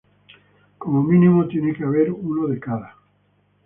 Como mínimo tiene que haber uno de cada.